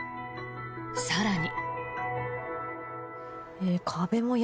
更に。